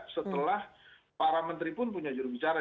setelah para menteri pun punya jurubicara